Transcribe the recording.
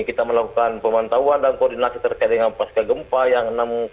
kita melakukan pemantauan dan koordinasi terkait dengan pasca gempa yang enam